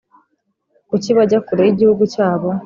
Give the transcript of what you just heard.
kucyi bajya kure y’igihugu cyabo,